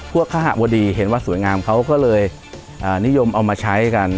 คหะวดีเห็นว่าสวยงามเขาก็เลยนิยมเอามาใช้กัน